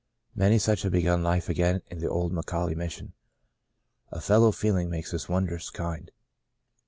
Many such have begun life again in the old McAuley Mission. " A fellow feeling makes us wondrous kind."